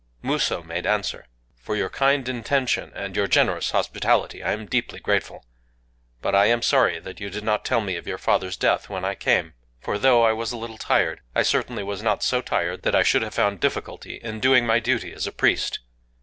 Musō made answer:— "For your kind intention and your generous hospitality, I am deeply grateful. But I am sorry that you did not tell me of your father's death when I came;—for, though I was a little tired, I certainly was not so tired that I should have found difficulty in doing my duty as a priest.